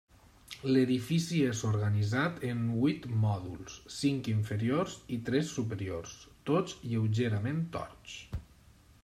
L'edifici és organitzat en vuit mòduls: cinc inferiors i tres superiors, tots lleugerament torts.